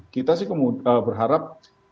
kita sih berharap